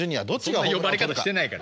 そんな呼ばれ方してないから。